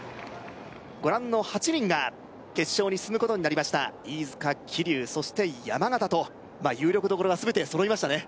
ご覧の８人が決勝に進むことになりました飯塚桐生そして山縣と有力どころが全て揃いましたね